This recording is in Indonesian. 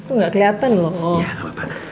tuh gak keliatan loh